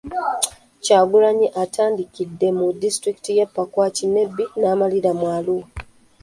Kyagulanyi atandikidde mu disitulikiti y'e Pakwach, Nebbi n'amalira mu Arua .